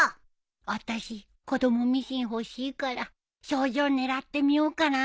あたし子どもミシン欲しいから賞状狙ってみようかな。